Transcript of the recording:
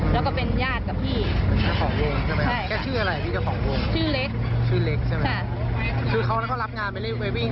แล้วก็เป็นญาติกับพี่ชื่ออะไรชื่อเล็กชื่อเล็กใช่ไหมคือเขาแล้วก็รับงาน